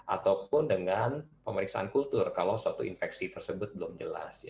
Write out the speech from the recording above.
ataupun dengan pemeriksaan kultur kalau suatu infeksi tersebut belum jelas